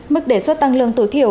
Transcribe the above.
mức đề xuất tăng lương tối thiểu